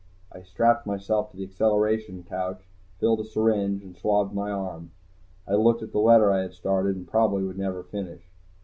I strapped myself to the acceleration couch, filled a syringe, and swabbed my arm. I looked at the letter I had started and probably would never finish.